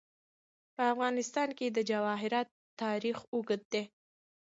په افغانستان کې د جواهرات تاریخ اوږد دی.